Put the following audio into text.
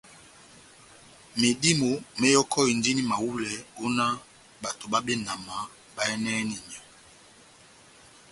Medímo mehɔkɔhindini mahulɛ ó nah bato bá benama bayɛ́nɛni myɔ́.